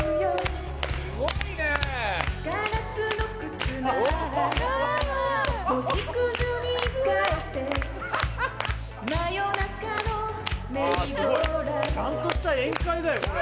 ちゃんとした宴会だよこれ。